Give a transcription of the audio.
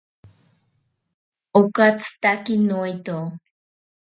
Okatsitake noito.